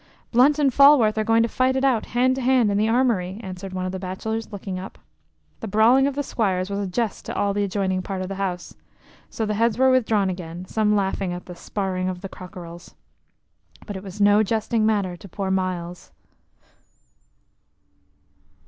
"Blunt and Falworth are going to fight it out hand to hand in the armory," answered one of the bachelors, looking up. The brawling of the squires was a jest to all the adjoining part of the house. So the heads were withdrawn again, some laughing at the "sparring of the cockerels." But it was no jesting matter to poor Myles.